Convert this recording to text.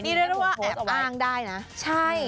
นี่ได้ไหมว่ากูแอบอ้างได้นะ